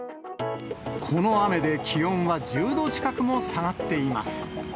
この雨で気温は１０度近くも下がっています。